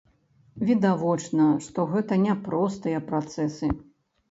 Відавочна, што гэта няпростыя працэсы.